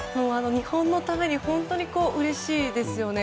日本のためにうれしいですよね。